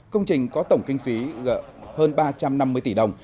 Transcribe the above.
công trình có tổng kinh phí hơn ba trăm năm mươi tỷ đồng